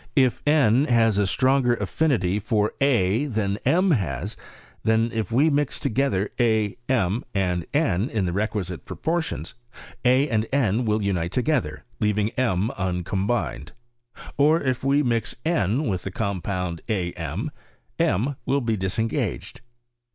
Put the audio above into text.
If n has a stronger affinity for a than m has, then if we mix together a, rn, and n in the requkite proportions, a and n will unite together, leaving m uncombined : or if we mix n with the compound a m, m will be disengaged.